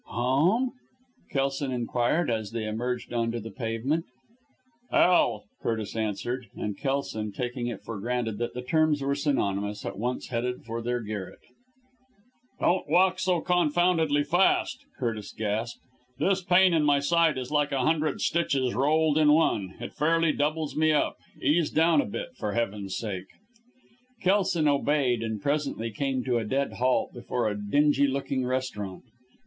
"Home?" Kelson inquired, as they emerged on to the pavement. "Hell!" Curtis answered, and Kelson, taking it for granted that the terms were synonymous, at once headed for their garret. "Don't walk so confoundedly fast," Curtis gasped; "this pain in my side is like a hundred stitches rolled in one. It fairly doubles me up. Ease down a bit, for heaven's sake!" Kelson obeyed, and presently came to a dead halt before a dingy looking restaurant.